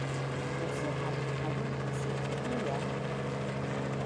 刘锡华为台湾男性配音员。